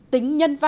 bốn tính nhân văn